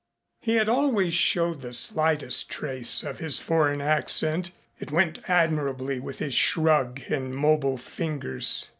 He had always showed the slightest trace of his foreign accent. It went admirably with his shrug and mobile fingers.